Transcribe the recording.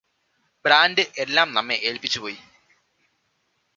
brand എല്ലാം നമ്മെ ഏല്പ്പിച്ചു പോയി